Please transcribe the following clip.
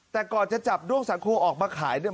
แต่ก่อนจะจับด้วงสาครูออกมาขายเนี่ย